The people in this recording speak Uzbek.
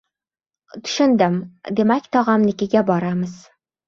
Tushundim. Demak, tog‘amnikiga boramiz.